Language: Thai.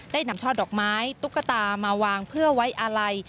นำช่อดอกไม้ตุ๊กตามาวางเพื่อไว้อาลัย